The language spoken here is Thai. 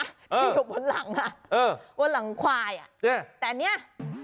อยู่บนหลังบนหลังควายแต่เนี่ย